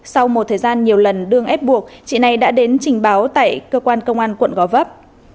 sau một thời gian nhiều lần đương ép buộc chị này đã đến trình báo tại cơ quan công an quận gò vấp